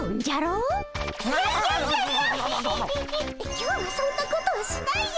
今日はそんなことはしないよぜったい。